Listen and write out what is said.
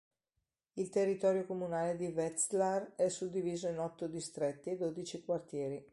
Il territorio comunale di Wetzlar è suddiviso in otto distretti e dodici quartieri.